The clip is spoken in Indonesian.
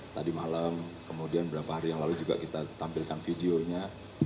tadi malam kemudian beberapa hari yang lalu juga kita tampilkan videonya